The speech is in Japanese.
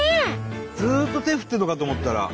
ずっと手振ってるのかと思ったら。